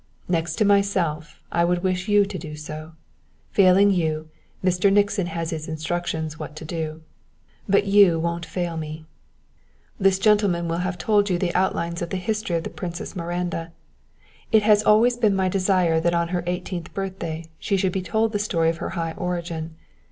Next to myself, I would wish you to do so; failing you, Mr. Nixon has his instructions what to do. But you won't fail me._ "_This gentleman will have told you the outlines of the history of the Princess Miranda. It has always been my desire that on her eighteenth birthday she should be told the story of her high origin.